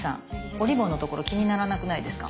おリボンのところ気にならなくないですか？